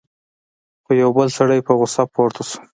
خو یو بل سړی په غصه پورته شو: